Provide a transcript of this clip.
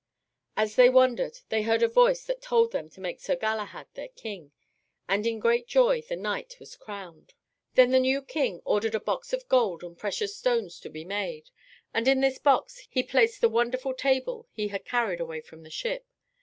As they wondered, they heard a voice that told them to make Sir Galahad their king, and in great joy the knight was crowned. Then the new king ordered a box of gold and precious stones to be made, and in this box he placed the wonderful table he had carried away from the ship.